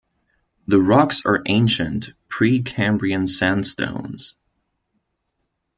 The rocks are ancient Precambrian sandstones.